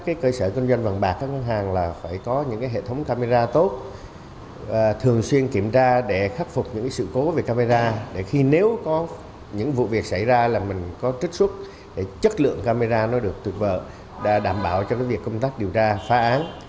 các cơ sở kinh doanh vàng bạc các ngân hàng là phải có những hệ thống camera tốt thường xuyên kiểm tra để khắc phục những sự cố về camera để khi nếu có những vụ việc xảy ra là mình có trích xuất để chất lượng camera nó được tuyệt vời đã đảm bảo cho việc công tác điều tra phá án